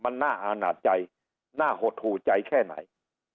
มันน่าอาณาจใจน่าหดหูใจแค่ไหน